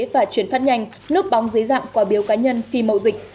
và chuyển phát nhanh nước bóng dưới dạng quả biếu cá nhân phi mậu dịch